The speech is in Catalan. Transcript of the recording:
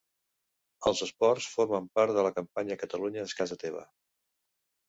Els espots formen part de la campanya ‘Catalunya és casa teva’.